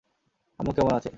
আম্মু কেমন আছে?